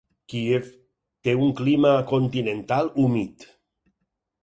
Kíev té un clima continental humit.